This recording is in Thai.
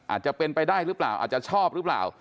อาจจะเป็นไปได้หรือเปล่าอาจจะชอบหรือเปล่า